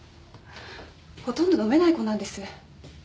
ほとんど飲めない子なんです。